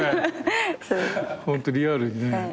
ホントリアルにね。